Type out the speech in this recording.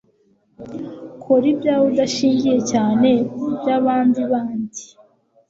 Kora ibyawe udashingiye cyane kuby’abandibandi